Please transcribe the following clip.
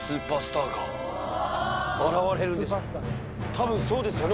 多分そうですよね